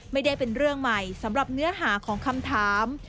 ไม่ได้เป็นเรื่องใหม่สำหรับเนื้อหาของคำถาม